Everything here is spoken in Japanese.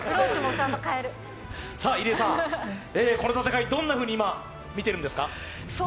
入江さん、この戦い、どんなふうに見ているんですか？